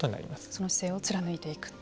その姿勢を貫いていくと。